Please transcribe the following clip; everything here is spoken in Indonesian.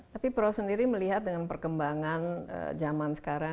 tapi perawah sendiri melihat dengan perkembangan jaman sekarang